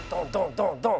ドンドン。